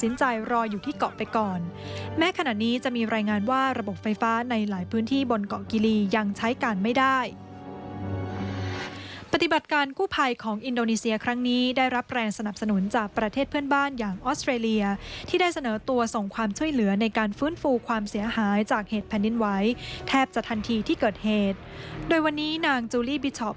นานนี้จะมีรายงานว่าระบบไฟฟ้าในหลายพื้นที่บนเกาะกิลียังใช้การไม่ได้ปฏิบัติการกู้ภัยของอินโดนีเซียครั้งนี้ได้รับแรงสนับสนุนจากประเทศเพื่อนบ้านอย่างออสเตรเลียที่ได้เสนอตัวส่งความช่วยเหลือในการฟื้นฟูความเสียหายจากเหตุแผ่นดินไหวแทบจะทันทีที่เกิดเหตุโดยวันนี้นางจูล